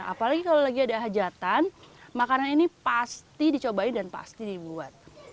apalagi kalau lagi ada hajatan makanan ini pasti dicobain dan pasti dibuat